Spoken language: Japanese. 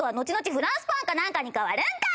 フランスパンかなんかに変わるんかい！」。